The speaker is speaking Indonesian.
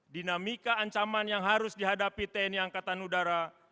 dinamika ancaman yang harus dihadapi tni angkatan udara